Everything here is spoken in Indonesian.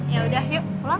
yaudah yuk pulang